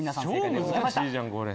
超難しいじゃんこれ。